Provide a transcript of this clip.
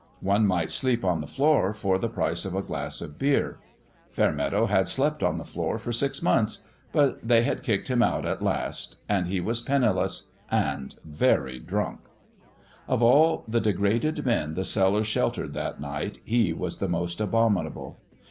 One might sleep on the floor for the price of a glass of beer. Fairmeadow had slept on the floor for six months ; but they had kicked him out, at last and he was penniless, and very drunk. Of all the degraded men the cellar sheltered that night he was the most abominable.